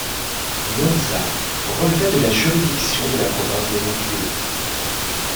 Nonza relevait de la juridiction de la province de Nebbio.